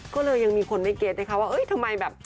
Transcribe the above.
ก็เลยยังมีคนไม่เก็ตนะคะว่าเอ้ยทำไมแบบ